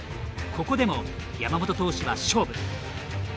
ここでも山本投手は勝負。